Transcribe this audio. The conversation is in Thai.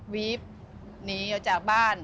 วีฟหนีออกจากบ้าน